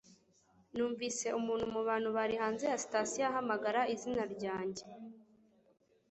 Numvise umuntu mubantu bari hanze ya sitasiyo ahamagara izina ryanjye